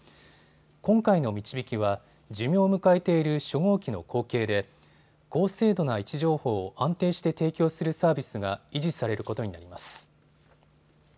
今回のみちびきは寿命を迎えている初号機の後継で高精度な位置情報を安定して提供するサービスが維持されることになります。